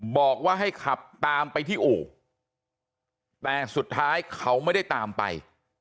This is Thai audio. บอกว่าให้ขับตามไปที่อู่แต่สุดท้ายเขาไม่ได้ตามไป